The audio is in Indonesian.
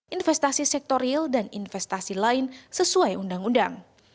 investasi sektoril dan investasi lain sesuai undang undang